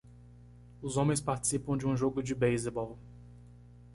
Os homens participam de um jogo de beisebol.